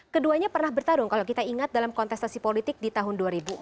keduanya pernah bertarung kalau kita ingat dalam kontestasi politik di tahun dua ribu empat